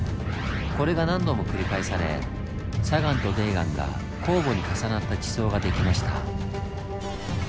これが何度も繰り返され砂岩と泥岩が交互に重なった地層ができました。